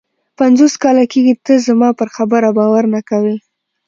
پنځوس کاله کېږي ته زما پر خبره باور نه کوې.